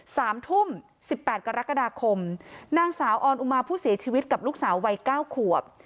สามทุ่มสิบแปดกรกฎาคมนางสาวออนอุมาผู้เสียชีวิตกับลูกสาววัยเก้าขวบ